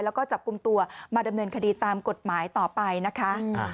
แล้วก็จับกลุ่มตัวมาดำเนินคดีตามกฎหมายต่อไปนะคะ